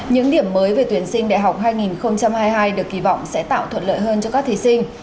những điểm mới về tuyển sinh đại học hai nghìn hai mươi hai được kỳ vọng sẽ tạo thuận lợi hơn cho các thí sinh